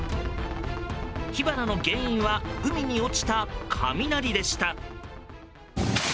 火花の原因は海に落ちた雷でした。